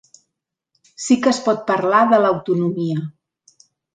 Sí que es pot parlar de l’autonomia.